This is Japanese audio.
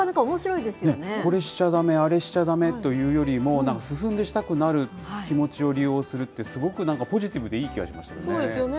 これしちゃだめ、あれしちゃだめというよりも、なんか進んでしたくなる気持ちを利用するって、すごくなんかポジティブでいい気がしますよね。